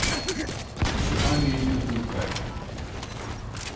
146 THE PILEATED WOODPECKER.